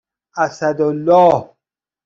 اسدالله